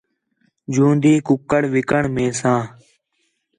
جوندی کُکڑ وِکݨ میساں